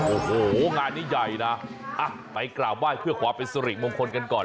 โอ้โหงานนี้ใหญ่นะไปกราบไหว้เพื่อความเป็นสุริมงคลกันก่อน